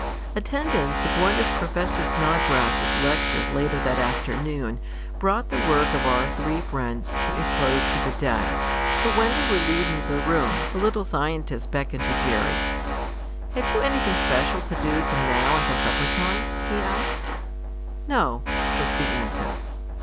Attendance at one of Professor Snodgrass's lectures later that afternoon brought the work of our three friends to a close for the day, but when they were leaving the room the little scientist beckoned to Jerry. "Have you anything special to do from now until supper time?" he asked. "No," was the answer.